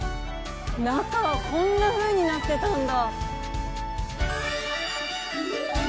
中は、こんなふうになってたんだ。